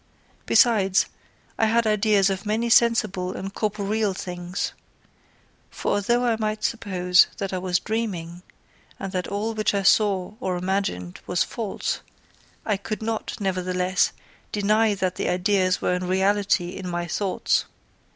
Besides, I had ideas of many sensible and corporeal things; for although I might suppose that I was dreaming, and that all which I saw or imagined was false, I could not, nevertheless, deny that the ideas were in reality in my thoughts.